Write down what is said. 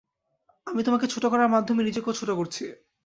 আমি তোমাকে ছোট করার মাধ্যমে নিজেকেও ছোট করছি।